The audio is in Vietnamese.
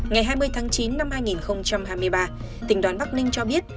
ngày hai mươi tháng chín năm hai nghìn hai mươi ba tỉnh đoàn bắc ninh cho biết